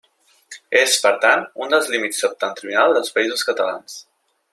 És, per tant, un dels límits septentrional dels Països Catalans.